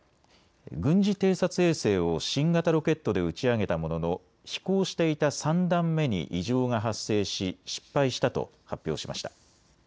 軍事偵察衛星を新型ロケットで打ち上げたものの飛行していた３段目に異常が発生し失敗したと発表しました。